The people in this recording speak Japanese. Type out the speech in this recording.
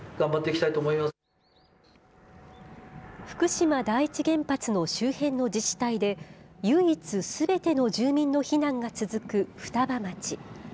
福島第一原発の周辺の自治体で、唯一すべての住民の避難が続く双葉町。